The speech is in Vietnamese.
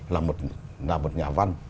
là một nhà văn